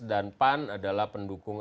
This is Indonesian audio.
dan pan adalah pendukung